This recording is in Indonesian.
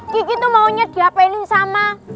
kiki tuh maunya diapelin sama